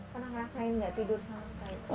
pernah ngerasain nggak tidur selama sehari